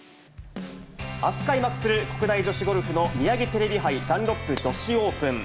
あす開幕する国内女子ゴルフのミヤギテレビ杯ダンロップ女子オープン。